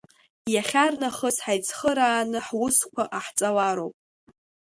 Иахьарнахыс ҳаицхырааны ҳусқәа ҟаҳҵалароуп.